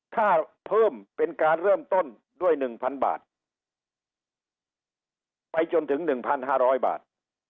ถ้าเพิ่มเป็นการเริ่มต้นด้วยหนึ่งพันบาทไปจนถึงหนึ่งพันห้าร้อยบาท